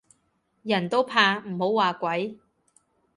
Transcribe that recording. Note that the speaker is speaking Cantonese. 人都怕唔好話鬼